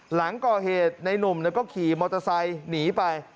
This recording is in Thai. หลังก่อเหตุในหนุ่มก็ขี่มอเตอร์ไซค์หนีไป